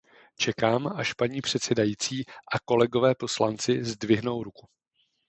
Čekám, až paní předsedající a kolegové poslanci zdvihnou ruku.